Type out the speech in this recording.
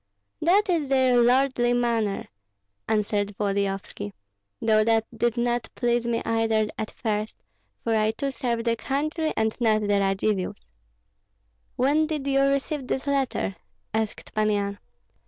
"That is their lordly manner," answered Volodyovski; "though that did not please me either at first, for I too serve the country and not the Radzivills." "When did you receive this letter?" asked Pan Yan.